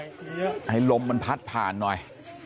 นะเพราะว่าให้ลมมันพัดผ่านหน่อย